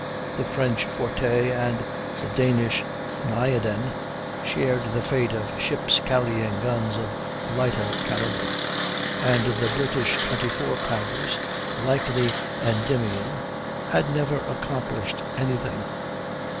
The French Forte and the Danish Nayaden shared the fate of ships carrying guns of lighter calibre; and the British 24 pounders, like the Endymion, had never accomplished any thing.